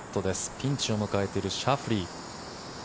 ピンチを迎えているシャフリー。